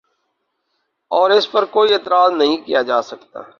اور اس پر کوئی اعتراض نہیں کیا جا سکتا کہ